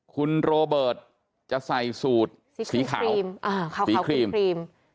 คุณโรเบิร์ตจะใส่สูตรสีขาวครีม